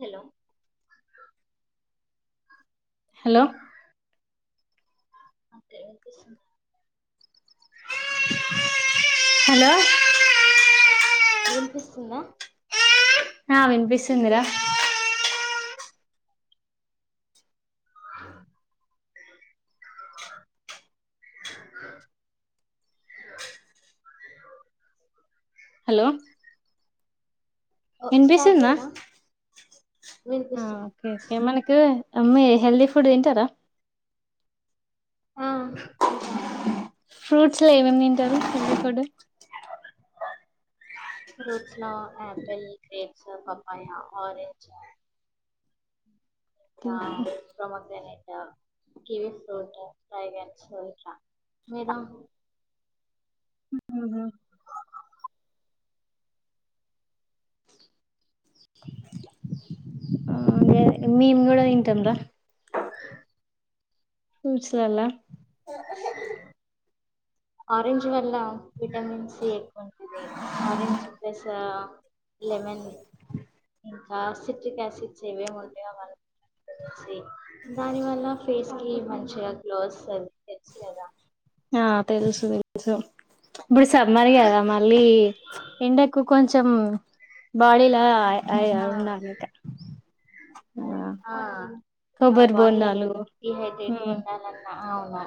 Hello. Hello అంతే. Hello. వినిపిస్తుందా. ఆ వినిపిస్తుందిరా. ఆహ్. హలో. స్టార్ట్ చేయనా. ఆహ్ ఓకే ఓకే మనకి మీ హెల్దీ ఫుడ్ తింటారా. ఆ ఇంకా ఫ్రూట్స్ లో ఏమేమి తింటారు హెల్తి ఫుడ్. ఫ్రూట్స్ లో ఆపిల్ గ్రేప్స్ పాపాయా ఆరెంజ్. ఆహ్ పోమోగ్రానైట్. ఆహ్ కివి ఫ్రూట్ డ్రాగన్ ఫ్రూట్ ఇట్లా మీరు. ఉమ్. ఆహ్ మేము కూడా తింటాం రా. ఆహ్. ఫ్రూట్స్ లలా. ఆరెంజ్ వల్ల విటమిన్ సి ఎక్కువ ఉంటుంది ఆరెంజ్ ప్లస్ ఆహ్. లెమన్ ఇంకా సిట్రిక్ ఆసిడ్స్ ఏమేమి ఉంటాయో అవి అన్ని. దాని వల్ల ఫేస్ కి మంచిగా గ్లో వస్తది తెలుసు కదా. ఆహ్ తెలుసు తెలుసు ఇప్పుడు సమ్మరే కదా మళ్ళీ ఎండకు కొంచె కొంచెం ఉమ్ బాడీలా ఉండాలిక. ఆహ్ మన కొబ్బరి బాడీ బోండాలు డిహైడ్రేట్ గా ఉండాలన్నా. అవునా.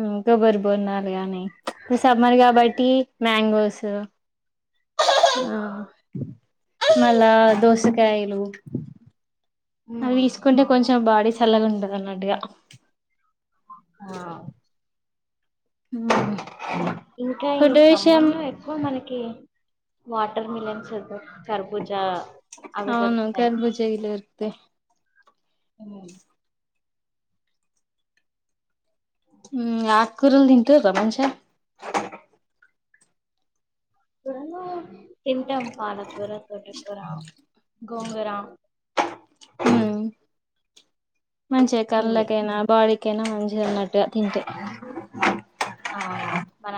ఇంకొకరు బోరినా గాని. ఇప్పుడు సమ్మర్ కాబట్టి మ్యాంగోస్. ఆహ్ మళ్ళా దోసకాయలు. ఉమ్, అవి తీసుకుంటే అవును కొంచెం బాడీ చల్లగా ఉంటది అన్నట్టుగా. ఆహ్. ఉమ్. ఇంకా ఈ సమ్మర్ లో ఎక్కువ మనకి వాటర్ మిలన్స్ కరు కర్బూజా. చా అవి అవును దొరుకుతాయి కర్బుజా గిట్ల దొరుకుతాయి ఉమ్. ఉమ్ ఆకుకూరలు తింటుంర్ర మంచిగా. ఇర తింటం పాల కూర తోట కూరం గోంగుర మ్ మంచిగా ఇవి కళ్ళకైనా బాడీ కేనా మంచిగ అన్నట్టుగా తింటే అవును మన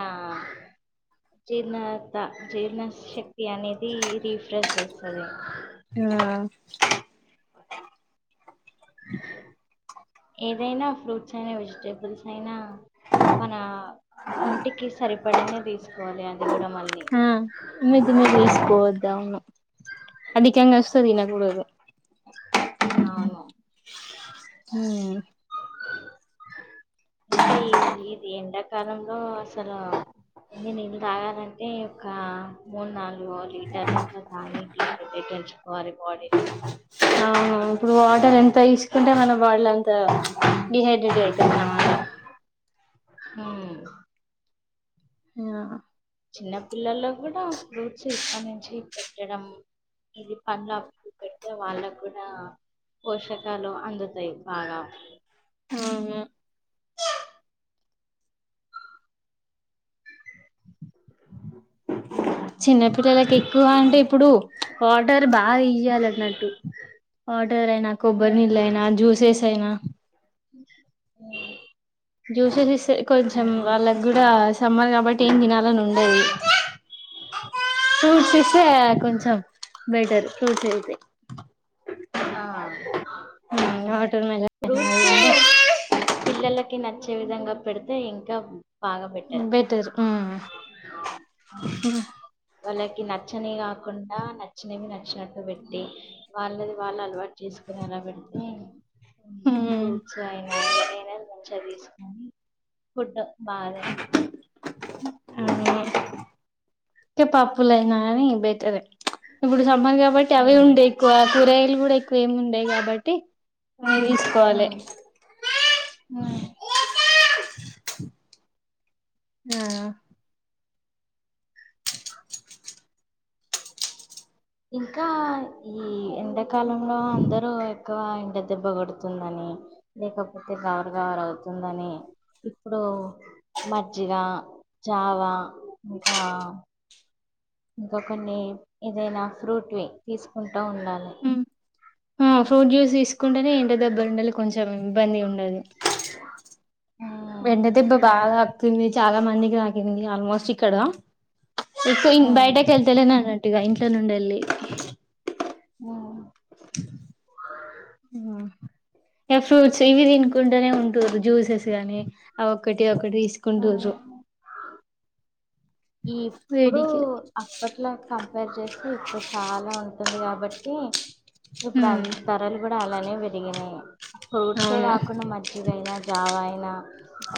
జీర్ణత జీర్ణ శక్తి అనేది రీఫ్రెష్ చేస్తది ఆ ఏదైనా ఫ్రూట్స్ అయినా వెజిటేబుల్స్ అయినా మన ఒంటికి సరిపడనే తీసుకోవాలి అది కూడా మళ్ళీ ఉదిమ వసుపో అదికంగా అస్తే తినకూడదు అవును మ్ ఇంకా ఈజీ ఇది ఎండాకాలంలో అసలు ఎ నీళ్ళు తాగలంటే ఒక మూడు నాలుగు లీటర్లా అట్లా తాగితే తెకోవాలి బాడీని కని ఎంత తీసుకుంటే మన బాడీలో అంతా డిహైడ్రేట్ అవుతరు మ్ ఆ చిన్న పిల్లలకు కూడా ఫ్రూట్స్ ఇప్పటి నుంచి పెట్టడం ఇది పండ్ల పెడితే వాళ్ళకు కూడా పోషకాలు అందుతాయి బాగా అవును చిన్నపిిల్లలకు ఎక్కువ అంటే ఇప్పుడు వాటర్ బాగా ఇయ్యాలన్నట్టు వాటర్ అయినా కొబ్బరి ఉమ్, నీళ్ళయినా జ్యూసెస్ అయినా అ జ్యూసెస్ ఇస్తే కొంచెం వాళ్ళకి కూడా సమ్మర్ కాబట్టి ఏం తినాలని ఉండది ఫ్రూట్స్ అవును ఇస్తే కొంచెం బెటర్ ఫ్రూట్స్ అయి తే ఆ వాటర్ మెలన్ ఫ్రూట్స్ పిల్లలకి న చ్చే విధంగా పెడితే ఇంకా బాగ బెటర్ వాళ్ళకి నచ్చనివి కాకుండా నచ్చినవి నచ్చినట్టు పెట్టి వాళ్ళది వాళ్ళ అలవాటు చేసుకోని అలా పెడితే ఫ్రూట్స్ అయినా ఏదైనా చ్చిగా తీసుకొని ఫుడ్ బాగా తిం అవును పప్పులయినా కని బేటరే ఇప్పుడు సమ్మర్ కాబట్టి అవి ఉమ్ ఉండే ఎక్కువ కూరగయలు కూడా ఎక్కువ ఏమి ఉండేయి కాబట్టి మల్ తీసుకోవాలె ఉమ్ ఉమ్ ఆ ఇంకా ఈ ఎండాకాలంలో అందరు ఎక్కువ ఎండ దెబ్బ కొడుతుందని లేకపోతే గవర్ గవర్ అవుతుందని ఇప్పుడు మజ్జిగ చావా ఇంకా ఇంకా కొన్ని ఏదైనా ఫ్రూట్వి తీసుకుంటా ఉండాలి ఆ ఫ్రూట్ జ్యూస్ తీసుకుంటేనే ఎంటి దెబ్బలు ఉండి కొంచెం ఇబ్బంది ఉండదు ఉమ్, ఎండ దెబ్బ బాగా తాకుతుంది చాలా మందికి తాకింది ఆల్మోస్ట్ ఇక్కడ ఎక్కువ ఉమ్, బయటకి వెళ్తేలేనన్నట్టు ఇగా ఇంట్లో నుండేళ్ళి ఉమ్, ఆ ఇ ఫ్రూట్స్ ఇవి తినుకుంటూనే ఉంటరు జ్యూసెస్ గానీ ఆ ఒక్కటి ఒక ఇక్కడ తీసుకొని ఉమ్. రోజు ఎప్పుడు అప్పట్లాకా కంపేర్ చేసి ఇప్పుడు చాలా ఉంటుంది కాబట్టి ఇప్పుడు ధరలు కూడా అల్ బలం విరిగిన ఫ్రూట్సే అవును కాకుండా మజ్జిగయినా జావా అయినా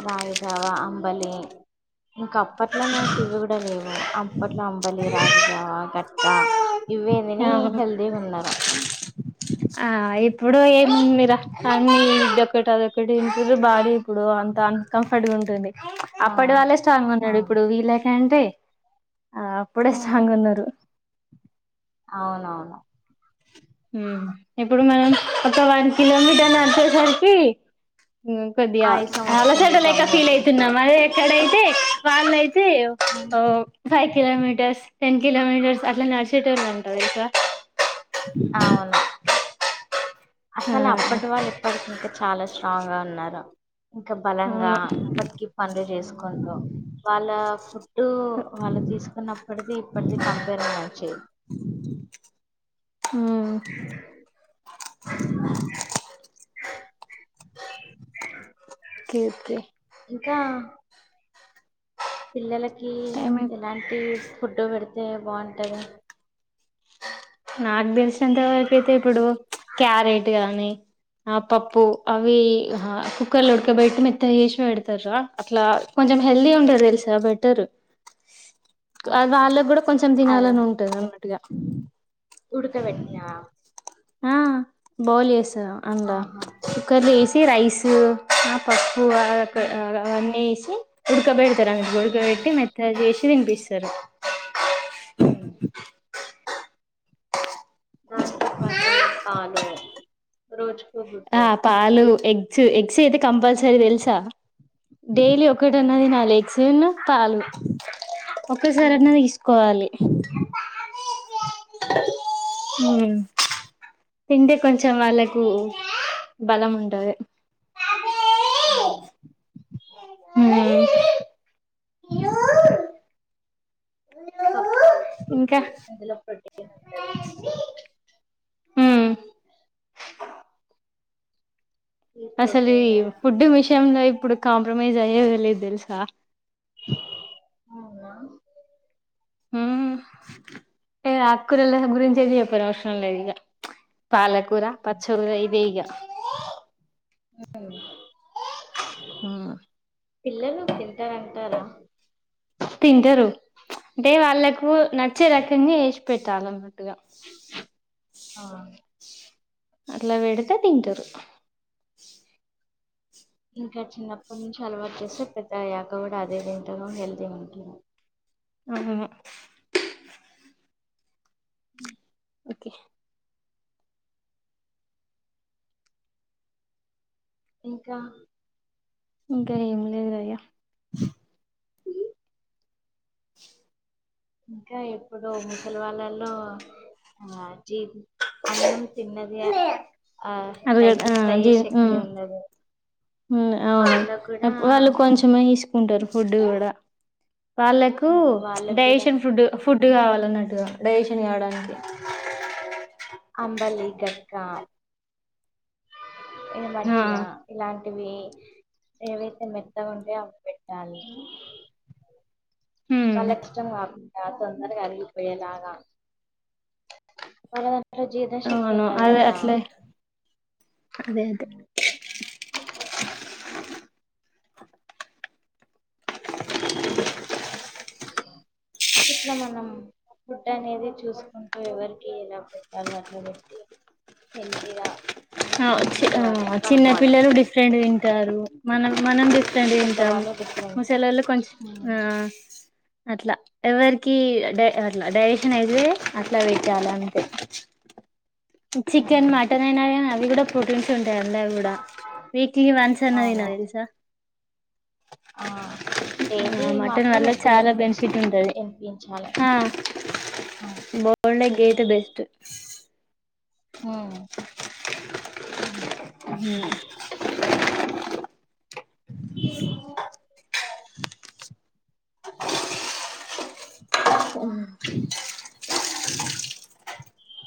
రాగి జావా అమ్ బలి ఇంకా అప్పట్లోనేయితే ఇవి కూడా లేవు అప్పట్లో అంబలి రాగిజావా కక్క ఇవే తిని అవును హెల్తీగా ఉన్నారు ఆ ఇప్పుడు ఏముందిరా అన్ని ఇదొకటి అదొకటి ఇరు బాడ ఇప్పుడు అం కంఫర్ట్గా ఉంటుంది ఆ అప్పటి వాళ్ళే స్ట్రాంగ్గా ఉన్నారు అవును ఇప్పుడు వీళ్ళకంటే ఆ అప్పుడే ఉమ్ స్ట్రాంగ్ ఉన్నారు అవునవును ఉమ్ ఇప్పుడు మనం ఒక వన్ కిలోమీటర్లు నడిచేసరికి కొద్దిగా ఆయాసం వస్తుంది అలసటలేక దమ్ము ఫీల్ వస్తుంది అవుతున్నాం అప్పుడైతే వలైతే um, five kilometres ten kilometres అట్లా నడిచేటోలంటా తెలుసా అవును అసలు ఆ అప్పటి వాళ్ళు ఇప్పటికింకా చాలా స్ట్రాంగ్ గా ఉన్నారు ఇంకా బలంగా అవును ఇప్పటిక పనులు చేసుకుంటూ వాళ్ళ ఫుడ్ వాళ్ళు తీసుకున్నప్పటిది ఇప్పటిది కంపేర్ మనంచె ఉమ్ అ ఒకేఒకే ఇంకా పిల్లలకి టైమ్ ఎలాంటి ఫుడ్డు పెడితే బాగుంటది నాకు తెలిసినంత వరకుయితే ఇప్పుడు క్యారెట్ గాని ఆ పప్పు అవి కుక్కర్లో ఉడకబెట్టి మెత్తగా చేసి పెడతారు చూడు అట్లా కొంచెం హెల్తీగా ఉంటది తెలుసా బెటరు ఓకే వాళ్ళకి కూడా కొంచెం తినాలని ఉంటది అన్నట్టుగా ఉడకపెట్టిన ఆ బౌల్ చేస్తా అంత ఆహా కుక్కర్ లో వేసి రైస్ ఆ ప పూ ఉమ్ అవన్నీ వేసి ఉడకబెడతారు అ ఉడకబెట్టి ఉమ్ మెత్తగా చేసి తినిపిస్తారు ఆ దాంతో పాటు పాలు రోజు ఆ పాలు ఎగ్స్ ఎగ్స్ అయితే కంపల్సరీ తెలుసా డైలీ ఒకటి అన్న ఉమ్ తినాలి ఎగ్స్ పాలు ఒకసారి ఉమ్ అన్ని తీసుకోవాలి అంట ఉమ్ తింటే కొంచెం వాళ్ళకు బలం ఉంటది అవునా ఉమ్ పప్పు ఇంకా ఇందులో పెట్టీ ఉమ్ ఈ అసలు ప్రోటీన్ ఫుడ్ విషయంంలో ఇప్పుడు కాంప్రమైజ్ అయ్యేలేదు తెలుసా అవునా ఊ అంటే ఆకురల్ గురుంచి చెప్పనవసరం లేదు పాలకూర పచ్చల్ ఇదిగ అవు పిల్లలు తింటారంటారా తింటరు అంటే వాళ్ళ కు నచ్చే రకంగా చేసి పెట్టాలి నట్టుగా ఆ అట్లా వెడితే తింటరు ఇంక చిన్నప్పటి నుంచి అలవాకు చేస్తే పెద్ద అయ్యాక కూడా అదే తింటరు హెల్తీగా ఉంటరు ఆహ హ ఉ ఓకే ఇంకా ఇంకా ఏం లేదయ్య ఇంకా ఎప్పుడో ముసలివాల్లలో ఆ జ అన్నం తిన్నది ఆ అదిగ డైజెస్ట్ అయ్యే శక్తి ఉండదు ఉ అవును వాళ్ళ కూడా వాళ్ళు కొంచమేసుకుంటారు ఫుడ్ కూడా వాళ్ళకు వాళ్ళ కూడా డైజెషన్ ఫుడ్ ఫుడ్ ఉమ్, కావాలన్నట్టుగా డైజేషన్ కావడానికి అంబలి గట్కా ఇ మజ్జగా ఇలాంటివి ఏవైతే మెత్తగ ఉంటాయో అవి పెట్టాలి వాళ్ళకి ఇష్టం కాకుండా తొందరగా అరిగిపోయేలాగా అ లో జీర్ణశక్తి అవును ఉండదు అదే కదా అట్లే అదే అదే ఇట్లా మనం ఫుడ్ అనేది చూసుకుంటూ ఎవరికి ఎలా పెట్టాలో అట్ల పెట్టి హిందీగా ఆ చిన్న పిల్లలు డిఫరెంట్ వింటారు మనం మనం డిఫరెంట్ వింటాం పెద్దవాళ్ళు డిఫరెంట్ ముసలొల్లు కొంచం ఉమ్, ఆ అట్లా ఎవరికి డై అట్లా డైజేషన్ అయితే అట్ల వెట్టాలా అంతే ఉమ్, చికెన్ మటన్ అయినా అవి కూడా ప్రోటీన్స్ ఉం డా వీక్లీ వన్స్ అన్న అవును దినాలి తెలుసా ఆ ఆ డైలీ మటన్ మాత్రం వల్ల ఎగ్ చాలా తినిపించ బెనిఫిట్ ఉంటది తినిపించాలి ఆ అవును బోల్డ ఏ గేద బెస్ట్ ఉ హ అ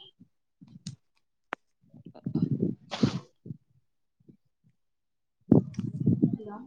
హలో